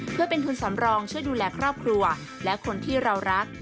เพื่อเป็นทุนสำรองช่วยดูแลครอบครัวและคนที่เรารัก